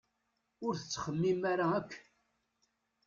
Ur tettxemmim ara akk!